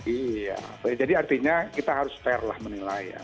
iya jadi artinya kita harus fair lah menilai ya